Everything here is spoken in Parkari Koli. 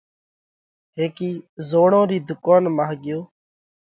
هيڪِي زوڙون رِي ڌُوڪونَ مانه ڳيو